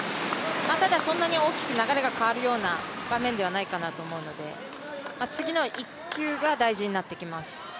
ただそんなに大きく流れが変わるような場面ではないと思うので次の１球が大事になってきます。